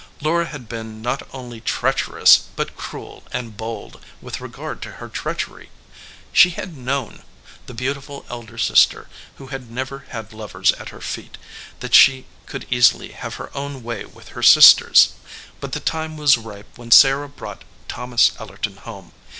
Laura had been not only treacherous, but cruel and bold with regard to her treachery. She had known, the beautiful elder sis ter, who had never had lovers at her feet, that she could easily have her own way with her sister s. But the time was ripe when Sarah brought Thomas Ellerton home.